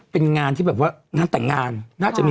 ภาพตลาด